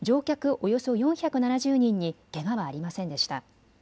およそ４７０人にけがはありませんでした。